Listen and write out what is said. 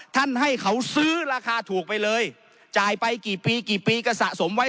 ท่านให้เขาซื้อราคาถูกไปเลยจ่ายไปกี่ปีกี่ปีก็สะสมไว้